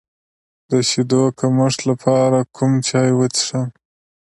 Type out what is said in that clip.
د شیدو د کمښت لپاره کوم چای وڅښم؟